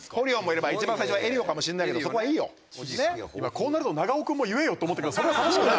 こうなると長尾君も言えよって思ったけどそれは正しくないのよ。